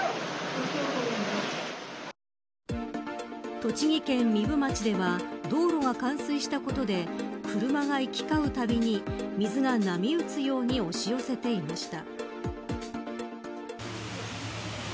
栃木県壬生町では道路が冠水したことで車が行き交うたびに水が波打つように押し寄せていました。